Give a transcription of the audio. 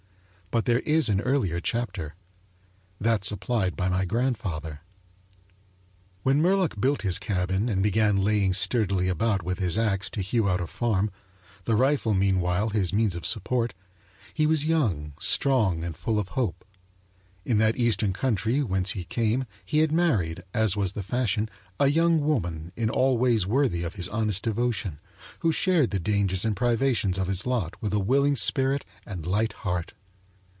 But there is an earlier chapter that supplied by my grandfather. When Murlock built his cabin and began laying sturdily about with his ax to hew out a farm the rifle, meanwhile, his means of support he was young, strong and full of hope. In that eastern country whence he came he had married, as was the fashion, a young woman in all ways worthy of his honest devotion, who shared the dangers and privations of his lot with a willing spirit and light heart.